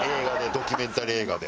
ドキュメンタリー映画で。